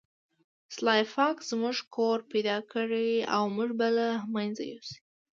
سلای فاکس زموږ کور پیدا کړی او موږ به له منځه یوسي